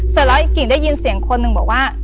เสร็จแล้วอีกกิ่งได้ยินเสียงคนหนึ่งบอกว่า